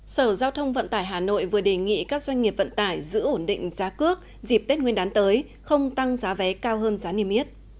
sở giao thông vận tải hà nội vừa đề nghị các doanh nghiệp vận tải giữ ổn định giá cước dịp tết nguyên đán tới không tăng giá vé cao hơn giá niêm yết